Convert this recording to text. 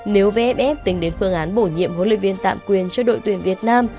nếu vff tính đến phương án bổ nhiệm huấn luyện viên tạm quyền cho đội tuyển việt nam